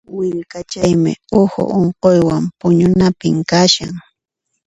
Willkachaymi uhu unquywan puñunapim kashan.